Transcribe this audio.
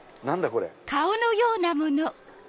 これ。